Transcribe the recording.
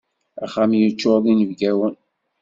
Axxam yeččur d inebgawen.